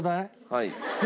はい。